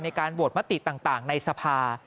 ในการโหวตมติต่างในสภา